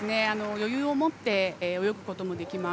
余裕を持って泳ぐこともできます。